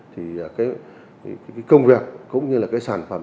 thì cái công việc cũng như là cái sản phẩm